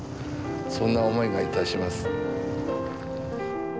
そんな思いが致します。